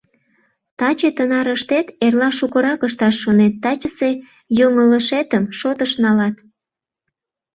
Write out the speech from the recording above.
Таче тынар ыштет, эрла шукырак ышташ шонет, тачысе йоҥылышетым шотыш налат.